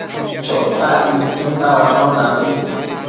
Chotac isquin tauaondambi